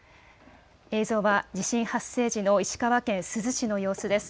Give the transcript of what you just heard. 映像は地震発生時の石川県珠洲市の様子です。